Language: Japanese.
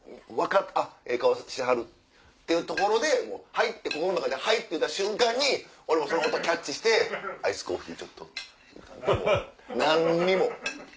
あっええ顔してはるっていうところで「はい」って心の中で「はい」って言った瞬間に俺もそのことキャッチして「アイスコーヒーちょっと」。ハハっ。何にも。